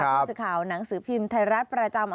ผู้สื่อข่าวหนังสือพิมพ์ไทยรัฐประจำ